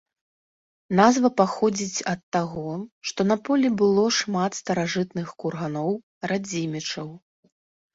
Назва паходзіць ад таго, што на полі было шмат старажытных курганоў радзімічаў.